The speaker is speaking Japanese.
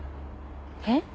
えっ？